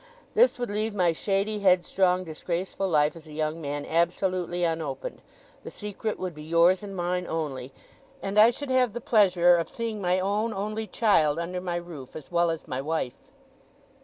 This would leave my shady, headstrong, disgraceful life as a young man absolutely unopened; the secret would be yours and mine only; and I should have the pleasure of seeing my own only child under my roof, as well as my wife."